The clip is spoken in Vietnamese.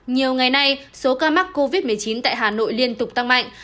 nhiều ngày nay số ca mắc covid một mươi chín tại hà nội liên tục tăng mạnh